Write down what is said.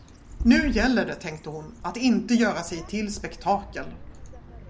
Nu gäller det, tänkte hon, att inte göra sig till spektakel.